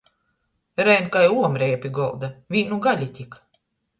Rein kai uomreja pi golda, vīnu gali tik!